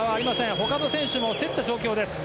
他の選手も競った状況です。